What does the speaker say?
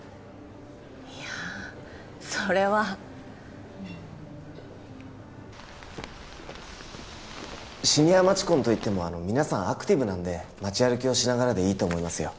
いやそれはシニア街コンといっても皆さんアクティブなんで街歩きをしながらでいいと思いますよ